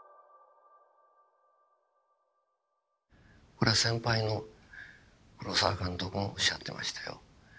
これは先輩の黒澤監督もおっしゃってましたよ。